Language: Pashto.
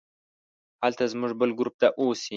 هلته زموږ بل ګروپ اوسي.